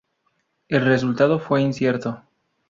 El resultado fue incierto.